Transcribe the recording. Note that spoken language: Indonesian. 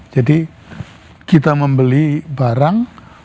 jadi kita membeli barang